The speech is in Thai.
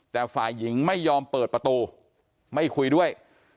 แต่ฝ่ายหญิงไม่ยอมเปิดประตูไม่คุยด้วย